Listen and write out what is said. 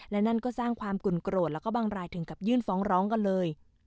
และนั่นก็สร้างความกุ่นโกรธแล้วก็บางรายถึงกับยื่นฟ้องร้องกันเลย